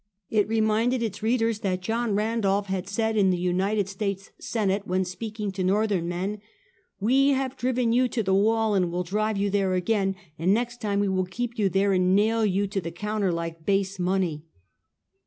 It re minded its readers that John Kandolph had said in the United States Senate when speaking to ]^ortliern men: " "We have driven you to the wall, and will drive you there again, and next time we will keep you there and nail you to the counter like base money."